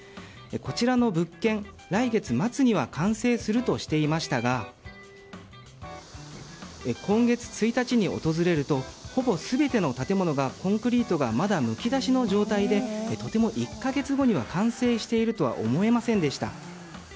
こちらの物件来月末には完成するとしていましたが今月１日に訪れるとほぼ全ての建物がコンクリートがまだむき出しの状態でとても１か月後には完成しているとは思えませんでした。